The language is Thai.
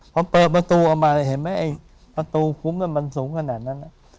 พอเปิดประตูออกมาเห็นไหมไอ้ประตูคุ้มมันสูงขนาดนั้น